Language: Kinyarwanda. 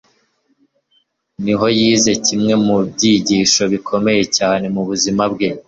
ni ho yize kimwe mu byigisho bikomeye cyane mu buzima bwe